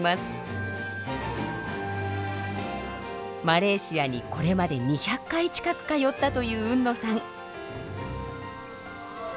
マレーシアにこれまで２００回近く通ったという海野さん。